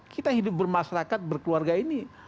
kita hidup bermasyarakat berkeluarga ini